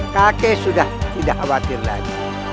kakek sudah tidak khawatir lagi